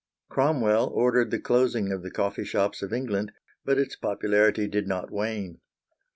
Cromwell ordered the closing of the coffee shops of England, but its popularity did not wane.